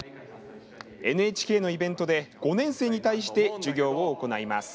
ＮＨＫのイベントで５年生に対して授業を行います。